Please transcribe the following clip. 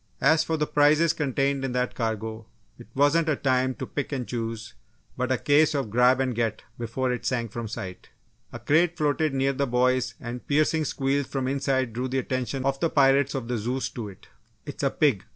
As for the prizes contained in that cargo, it wasn't a time to pick and choose, but a case of "grab and get" before it sank from sight. A crate floated near the boys and piercing squeals from the inside drew the attention of the pirates of the Zeus to it. "It's a pig!"